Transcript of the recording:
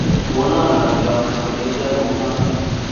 Kono ngalyongung kole iyae kunoto